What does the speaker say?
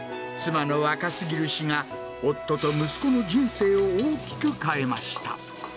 妻の若すぎる死が、夫と息子の人生を大きく変えました。